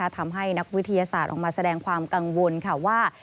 ทำให้นักวิทยาศาสตร์ออกมาแสดงความกังวลว่า